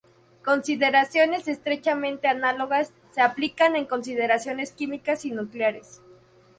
Consideraciones estrechamente análogas se aplican en consideraciones químicas y nucleares.